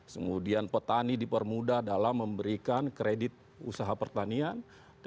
kemudian petani dipermudah dalam memberikan kredit usaha pertanian